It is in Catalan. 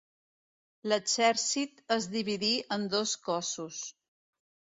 L'exèrcit es dividí en dos cossos.